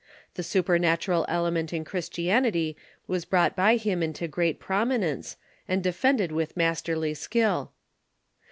J he supernatural element in Christianity was brought by him into great prominence, and defended with masterly skill.